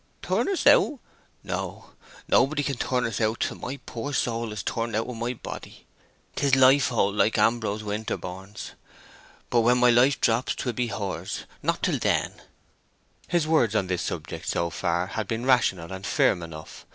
"Turn us out? No. Nobody can turn us out till my poor soul is turned out of my body. 'Tis life hold, like Ambrose Winterborne's. But when my life drops 'twill be hers—not till then." His words on this subject so far had been rational and firm enough.